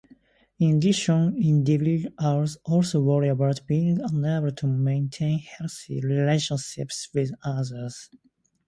In addition, individuals also worry about being unable to maintain healthy relationships with others.